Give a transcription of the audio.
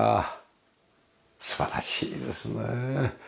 素晴らしいですね。